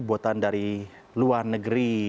buatan dari luar negeri